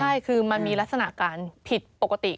ใช่คือมันมีลักษณะการผิดปกติ